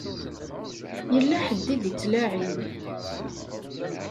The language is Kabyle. Yella ḥedd i d-ittlaɛin.